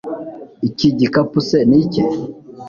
iki gikapu se ni icye